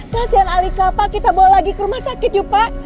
kasian alika pak kita bawa lagi ke rumah sakit jumpa